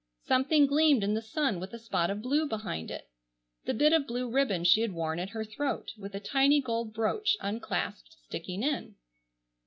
Something gleamed in the sun with a spot of blue behind it. The bit of blue ribbon she had worn at her throat, with a tiny gold brooch unclasped sticking in.